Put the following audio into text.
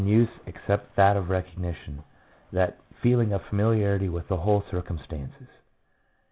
use except that of recognition — that feeling of familiarity with the whole circumstances.